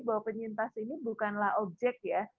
bahwa penyintas ini bukanlah objek ya